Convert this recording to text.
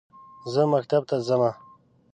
زه مکتب ته زمه